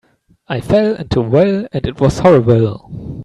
I fell into a well and it was horrible.